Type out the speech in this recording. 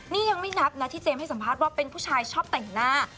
นี่ยังไม่นับนะที่เจมสัมภาษณว่าเป็นผู้ชายชอบแต่งหน้า